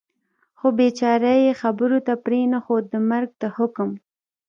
خو بېچاره یې خبرو ته پرېنښود، د مرګ د حکم.